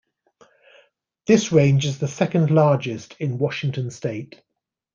This range is the second largest in Washington State.